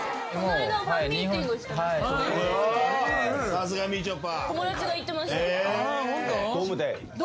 さすがみちょぱ。